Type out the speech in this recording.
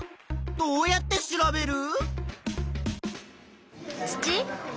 どうやって調べる？